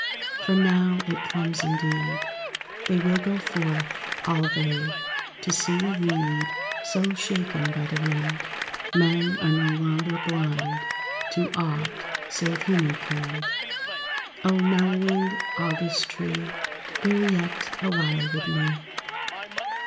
For now it comes indeed, They will go forth, all they, to see a reed So shaken by the wind. Men are no longer blind To aught, save human kind. (_O mellowing August tree, Bear yet awhile with me.